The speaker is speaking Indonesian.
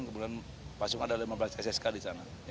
kemudian pasukan ada lima belas ssk di sana